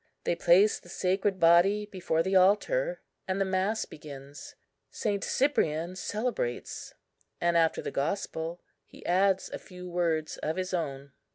They place the sacred body before the altar, and the mass begins. St. Cyprian celebrates, and after the Gospel, he adds a few words of his own.